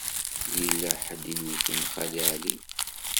Yella ḥedd i yewten Xali Ɛli?